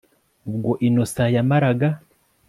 Ubwo innocent yamaraga